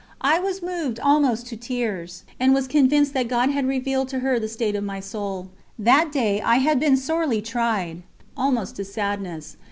I was moved almost to tears, and was convinced that God had revealed to her the state of my soul. That day I had been sorely tried, almost to sadness.